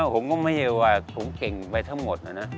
ผมก็ไม่ใช่ว่าผมเก่งไปทั้งหมดนะนะ